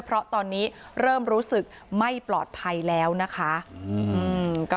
เพราะตอนนี้เริ่มรู้สึกไม่ปลอดภัยแล้วนะคะ